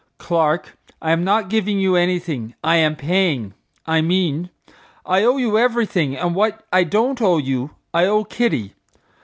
"Clark, I am not giving you anything. I am paying.—I mean, I owe you everything, and what I don't owe you, I owe Kitty.